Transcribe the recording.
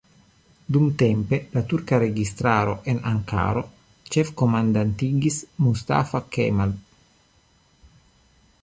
Dumtempe la turka registaro en Ankaro ĉef-komandantigis Mustafa Kemal.